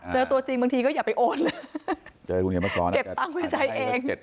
เจอตัวจริงบางทีก็อย่าไปโอนเก็บตังค์ไปใช้เอง